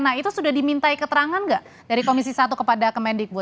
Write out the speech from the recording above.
nah itu sudah dimintai keterangan nggak dari komisi satu kepada kemendikbud